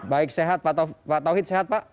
baik sehat pak tauhid sehat pak